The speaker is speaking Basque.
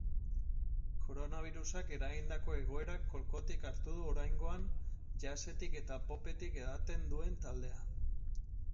Koronabirusak eragindako egoerak kolkotik hartu du oraingoan jazzetik eta popetik edaten duen taldea.